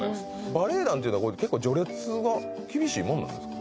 バレエ団っていうのはこれ結構序列が厳しいもんなんですか？